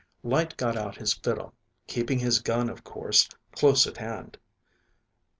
Lyte got out his fiddle, keeping his gun, of course, close at hand.